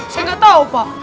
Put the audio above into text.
saya nggak tahu pak